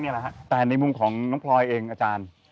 ชื่องนี้ชื่องนี้ชื่องนี้ชื่องนี้ชื่องนี้